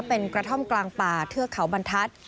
เป็นกระท่อมกลางป่าเทือกเขาบรรทัศน์